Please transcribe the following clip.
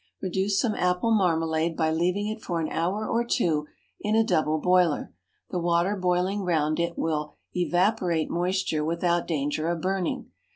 Reduce some apple marmalade by leaving it for an hour or two in a double boiler; the water boiling round it will evaporate moisture without danger of burning.